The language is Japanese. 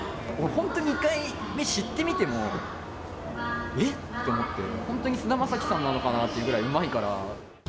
本当に２回目知って見ても、えっ？と思って、本当に菅田将暉さんのかな？っていうくらい、うまいから。